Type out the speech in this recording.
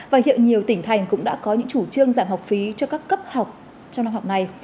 và hiện nhiều tỉnh thành cũng đã có những chủ trương giảm học phí cho các cấp học trong năm học này